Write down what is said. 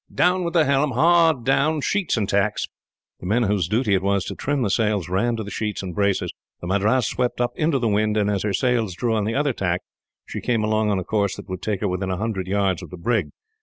"Down with the helm! Hard down, sheets and tacks!" The men whose duty it was to trim the sails ran to the sheets and braces. The Madras swept up into the wind, and, as her sails drew on the other tack, she came along on a course that would take her within a hundred yards of the brig.